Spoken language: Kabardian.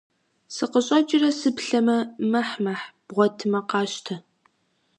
Сыкъыщӏэкӏрэ сыплъэмэ, мэхь-мэхь, бгъуэтмэ къащтэ.